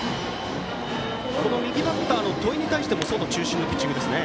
右バッターの戸井に対しても外中心のピッチングですね。